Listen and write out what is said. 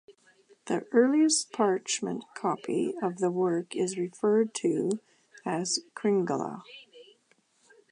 The earliest parchment copy of the work is referred to as "Kringla".